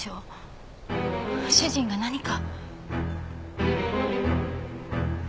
主人が何か？